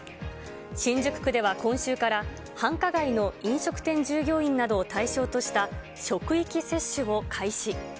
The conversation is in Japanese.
新宿区では今週から、繁華街の飲食店従業員などを対象とした職域接種を開始。